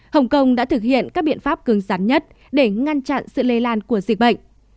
hồng kông đã thực hiện các biện pháp cứng rắn nhất để ngăn chặn sự lây lan của dịch bệnh